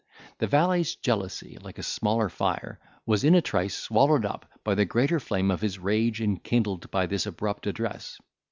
The valet's jealousy, like a smaller fire, was in a trice swallowed up in the greater flame of his rage enkindled by this abrupt address.